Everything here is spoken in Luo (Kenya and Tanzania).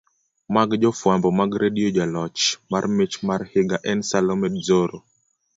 mag jofwambo mag redio jaloch mar mich mar higa en Salome Dzoro